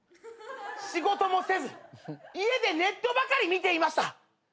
仕事もせず家でネットばかり見ていました。